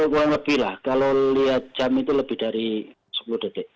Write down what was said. kurang lebih lah kalau lihat jam itu lebih dari sepuluh detik